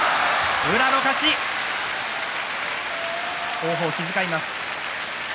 王鵬を気遣います。